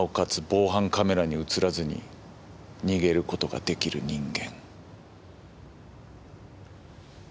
防犯カメラに映らずに逃げる事が出来る人間。